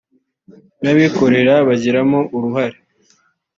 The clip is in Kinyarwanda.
n’abikorera bagiramo uruhare